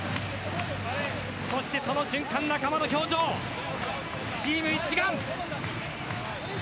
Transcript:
その瞬間、仲間の表情チーム一丸。